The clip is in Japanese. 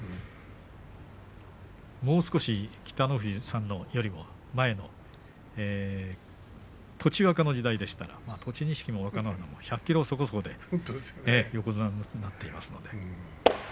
もう少し北の富士さんよりも前の栃若の時代でしたら栃錦も若乃花も１００ｋｇそこそこで横綱でした。